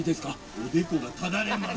「おでこがただれます」。